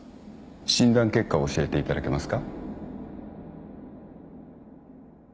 診断結果を教えていただけますか。